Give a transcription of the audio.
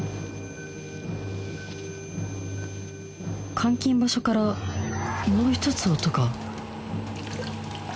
監禁場所からもう１つ音が